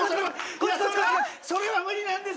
それは無理なんです。